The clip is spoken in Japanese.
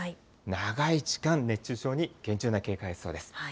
長い時間、熱中症に厳重な警戒が必要です。